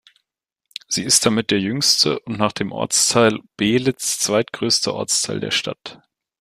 Sie ist damit der jüngste und nach dem Ortsteil Beelitz zweitgrößte Ortsteil der Stadt.